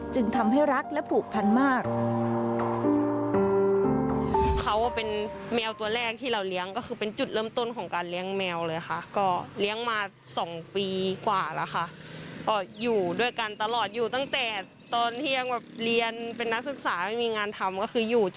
จึงทำให้รักและผูกพันมาก